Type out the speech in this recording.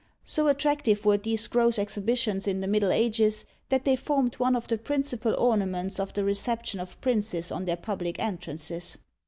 So attractive were these gross exhibitions in the middle ages, that they formed one of the principal ornaments of the reception of princes on their public entrances.